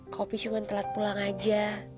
kak opi cuma telat pulang aja